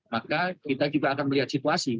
maka kita juga akan melihat situasi